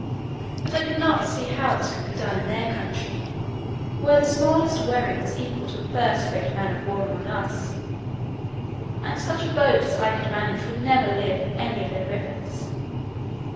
But I could not see how this could be done in their country, where the smallest wherry was equal to a first rate man of war among us; and such a boat as I could manage would never live in any of their rivers.